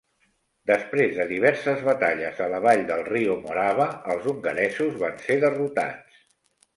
Després de diverses batalles a la vall del riu Morava, els hongaresos van ser derrotats.